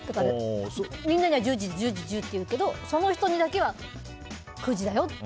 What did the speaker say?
みんなには１０時って言うけどその人にだけは９時だよって。